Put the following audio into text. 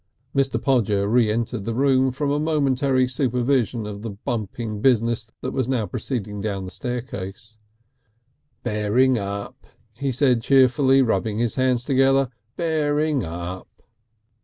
Mr. Podger re entered the room from a momentary supervision of the bumping business that was now proceeding down the staircase. "Bearing up," he said cheerfully, rubbing his hands together. "Bearing up!"